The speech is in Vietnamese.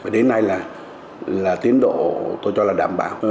đến nay là tiến độ tôi cho là đảm bảo